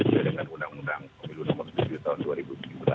berbeda dengan undang undang